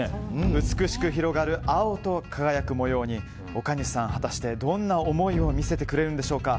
美しく広がる青と輝く模様に岡西さん、果たしてどんな思いを見せてくれるんでしょうか。